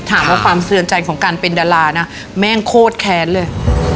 ความเตือนใจของการเป็นดารานะแม่งโคตรแค้นเลย